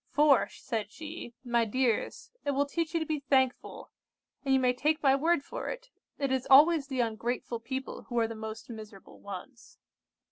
'For,' said she, 'my dears, it will teach you to be thankful; and you may take my word for it, it is always the ungrateful people who are the most miserable ones.